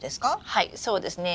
はいそうですね。